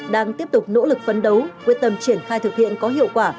đang tiếp tục nỗ lực phấn đấu quyết tâm triển khai thực hiện có hiệu quả